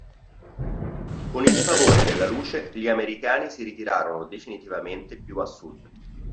Con il favore della luce gli americani si ritirarono definitivamente più a sud.